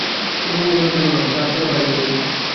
অপু বলিল, কেন মা, চাল-ছোলা ভাজা কই?